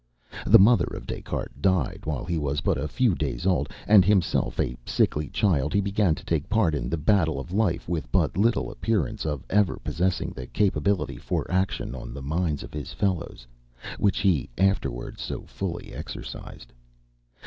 The mother of Des Cartes died while he was but a few days old, and himself a sickly child, he began to take part in the battle of life with but little appearance of ever possessing the capability for action on the minds of his fellows, which he afterwards so fully exercised.